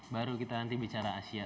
baru kita nanti bicara asia